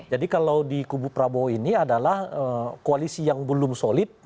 jadi kalau di kubu prabowo ini adalah koalisi yang belum solid